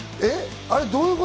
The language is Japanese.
どういうこと？